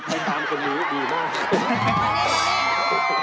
ไปตามคนนี้ดีมาก